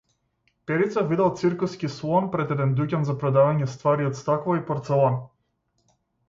Перица видел циркуски слон пред еден дуќан за продавање ствари од стакло и порцелан.